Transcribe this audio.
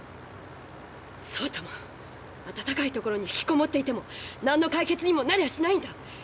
そうとも暖かい所に引きこもっていてもなんの解決にもなりゃしないんだ。